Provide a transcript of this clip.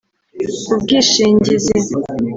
ubwishingizi